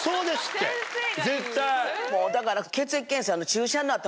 だから。